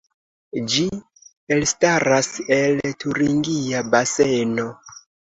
Ĝi elstaras el Turingia Baseno.